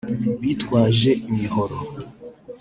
bitwaje imihoro